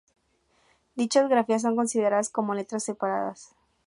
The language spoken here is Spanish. Dichas grafías son consideradas como letras separadas.